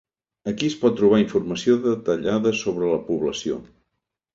Aquí es pot trobar informació detallada sobre la població.